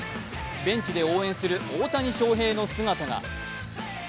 ベンチで応援する大谷翔平の姿が。